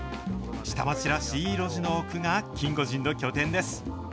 下町らしい路地の奥がキンゴジンの拠点です。